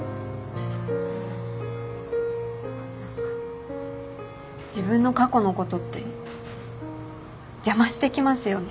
何か自分の過去のことって邪魔してきますよね。